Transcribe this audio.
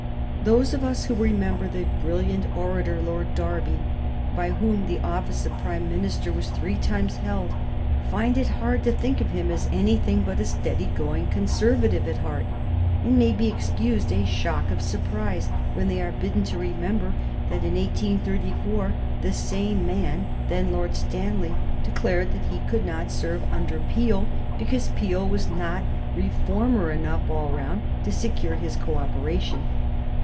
Those of us who remember the brilliant orator Lord Derby, by whom the office of Prime Minister was three times held, find it hard to think of him as anything but a steady going Conservative at heart, and may be excused a shock of surprise when they are bidden to remember that in 1834 the same man, then Lord Stanley, declared that he could not serve under Peel because Peel was not reformer enough all round to secure his co operation.